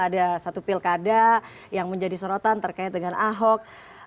ada satu pilkada yang menjadi sorotan terkait dengan ahok